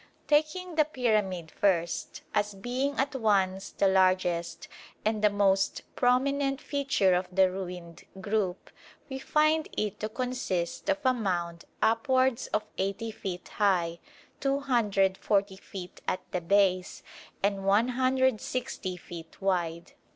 Taking the pyramid first, as being at once the largest and the most prominent feature of the ruined group, we find it to consist of a mound upwards of 80 feet high, 240 feet at the base and 160 feet wide.